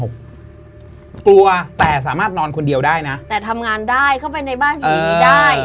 กลัวแต่สามารถนอนคนเดียวได้นะแต่ทำงานได้เข้าไปในบ้านคนนี้ได้